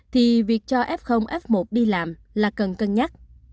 thì việc cho f f một đi làm là cần cân nhắc